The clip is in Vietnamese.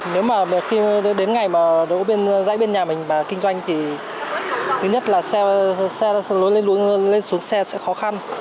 nếu mà đến ngày mà đỗ dãy bên nhà mình mà kinh doanh thì thứ nhất là xe lối lên xuống xe sẽ khó khăn